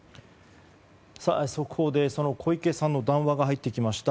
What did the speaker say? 速報で小池さんの談話が入ってきました。